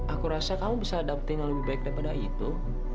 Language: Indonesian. aku rasa kamu bisa dapetin yang lebih baik daripada itu